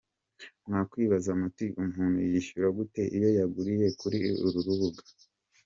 Mwakwibaza muti umuntu yishyura gute iyo yaguriye kuri uru rubuga?.